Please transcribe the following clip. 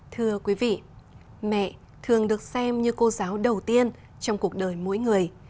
thưa quý vị mẹ thường được xem như cô giáo đầu tiên trong cuộc đời mỗi người